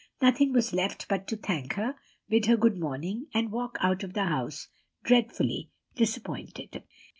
Nothing was left but to thank her, bid her good morning, and walk out of the house, dreadfully disappointed.